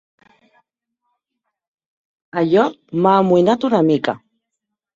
Allò m'ha amoïnat una mica.